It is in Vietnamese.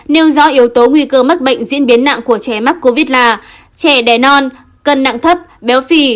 nêu rõ yếu tố nguy cơ mắc bệnh diễn biến nặng của trẻ mắc covid là trẻ đè non cân nặng thấp béo phì